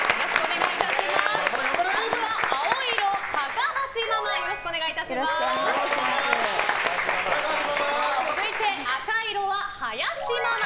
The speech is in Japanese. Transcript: まずは青色、高橋ママ高橋ママ！